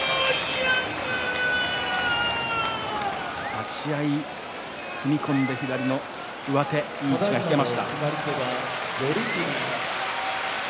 立ち合い踏み込んで、左の上手いい位置が引けました。